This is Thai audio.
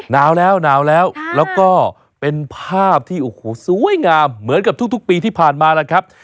นาวแล้วแล้วก็เป็นภาพที่สวยงามเหมือนกับทุกปีที่ผ่านมานะครับ